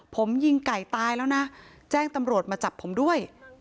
ผมยิงไก่ตายแล้วนะแจ้งตำรวจมาจับผมด้วย